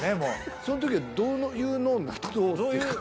その時はどういう脳に脳っていうか。